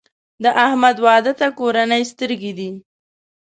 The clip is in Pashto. د احمد واده ته کورنۍ سترګې دي.